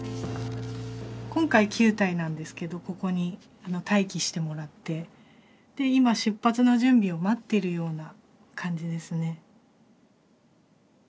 今回９体なんですけどここに待機してもらって今出発の準備を待っているような感じですね。